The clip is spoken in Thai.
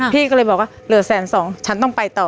พี่ก็เลยบอกว่าเหลือแสนสองฉันต้องไปต่อ